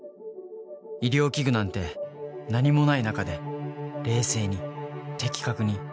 医療器具なんて何もない中で冷静に的確に